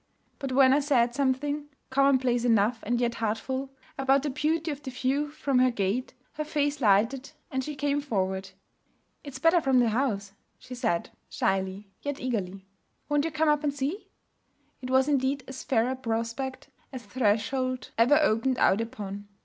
But when I said something commonplace enough and yet heartful about the beauty of the view from her gate, her face lighted and she came forward. 'It's better from the house,' she said, shyly, yet eagerly. 'Won't you come up and see?' It was indeed as fair a prospect as threshold ever opened out upon.